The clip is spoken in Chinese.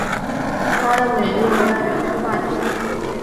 她的美丽和外表是话题。